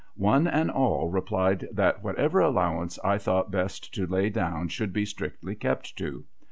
One and all replied that whatever allowance I thought best to lay down should be strictly kept to.